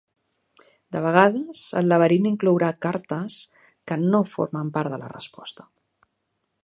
De vegades, el laberint inclourà cartes que no formen part de la resposta.